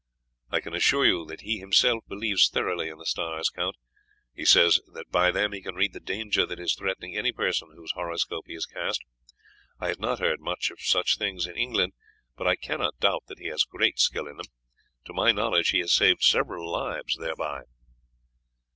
"I can assure you that he himself believes thoroughly in the stars, Count; he says that by them he can read the danger that is threatening any person whose horoscope he has cast. I had not heard much of such things in England, but I cannot doubt that he has great skill in them. To my knowledge he has saved several lives thereby."